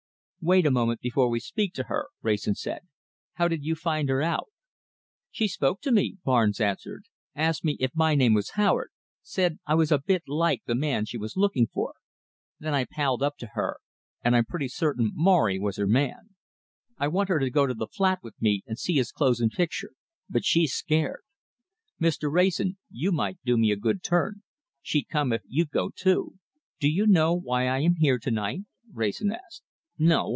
"Wait a moment before we speak to her," Wrayson said. "How did you find her out?" "She spoke to me," Barnes answered. "Asked me if my name was Howard, said I was a bit like the man she was looking for. Then I palled up to her, and I'm pretty certain Morry was her man. I want her to go to the flat with me and see his clothes and picture, but she's scared. Mr. Wrayson, you might do me a good turn. She'll come if you'd go too!" "Do you know why I am here to night?" Wrayson asked. "No!